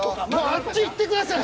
あっち行ってください！